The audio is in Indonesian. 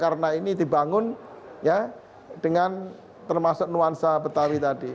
karena ini dibangun ya dengan termasuk nuansa betawi tadi